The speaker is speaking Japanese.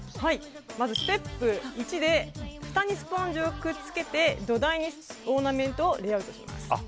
まず、ステップ１でふたにスポンジをくっつけて土台にオーナメントをレイアウトします。